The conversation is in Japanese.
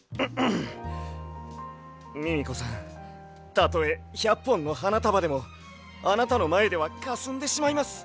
たとえ１００ぽんのはなたばでもあなたのまえではかすんでしまいます。